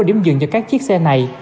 điểm dừng cho các chiếc xe này